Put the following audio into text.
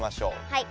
はい。